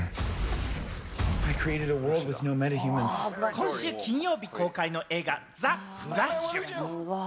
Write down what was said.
今週金曜日公開の映画『ザ・フラッシュ』。